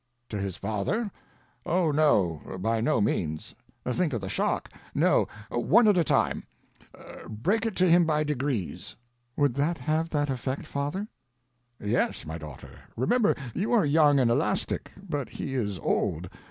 "To his father? Oh, no—by no means. Think of the shock. No—one at a time; break it to him by degrees." "Would that have that effect, father?" "Yes, my daughter. Remember, you are young and elastic, but he is old.